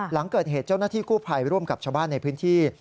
หลังเกิดเหตุเจ้าหน้าที่กู้ภัยร่วมกับชาวบ้านในพื้นที่